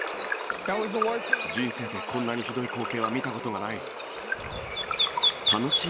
人生でこんなにひどい光景は見たことがない。